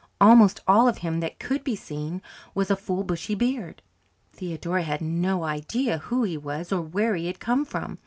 Almost all of him that could be seen was a full bushy beard. Theodora had no idea who he was, or where he had come from.